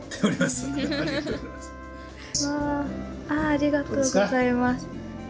ありがとうございます。